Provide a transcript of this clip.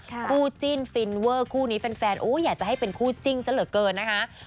คู่จิ้นฟินเวอร์คู่นี้แฟนโอ้อยากจะให้เป็นคู่จิ้นซะเหลือเกินนะคะ